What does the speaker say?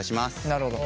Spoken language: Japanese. なるほど。